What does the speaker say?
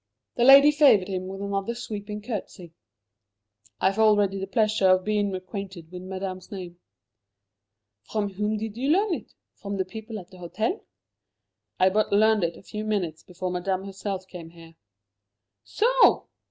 The lady favoured him with another sweeping curtsey. "I have already the pleasure of being acquainted with Madame's name." "From whom did you learn it? From the people at the hotel?" "I but learned it a few minutes before Madame herself came here." "So!